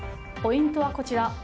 ポイントはこちら。